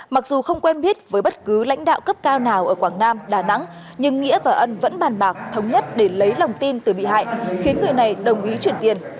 mặc dù không quen biết với bất cứ lãnh đạo cấp cao nào ở quảng nam đà nẵng nhưng nghĩa và ân vẫn bàn bạc thống nhất để lấy lòng tin từ bị hại khiến người này đồng ý chuyển tiền